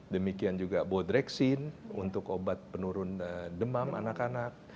demikian juga bodreksin untuk obat penurun demam anak anak